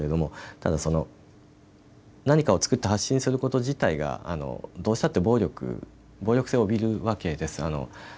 ただ、何かを作って発信すること自体がどうしたって暴力性を帯びるわけです。